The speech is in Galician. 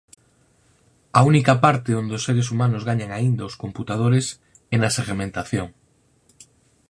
A única parte onde os seres humanos gañan aínda aos computadores é na segmentación.